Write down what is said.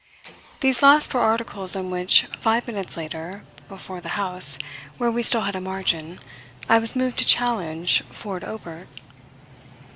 These last were articles on which, five minutes later, before the house, where we still had a margin, I was moved to challenge Ford Obert.